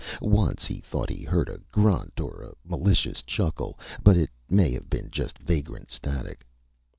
Once, he thought he heard a grunt, or a malicious chuckle. But it may have been just vagrant static.